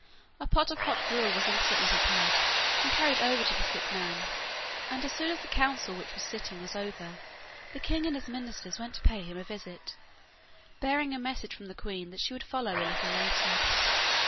A pot of hot gruel was instantly prepared, and carried over to the sick man, and as soon as the council which was sitting was over, the king and his ministers went to pay him a visit, bearing a message from the queen that she would follow a little later.